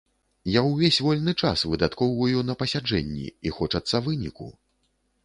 Я ўвесь вольны час выдаткоўваю на пасяджэнні, і хочацца выніку.